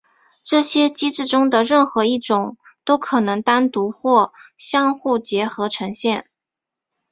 这些机制中的任何一种都可能单独或相互结合呈现。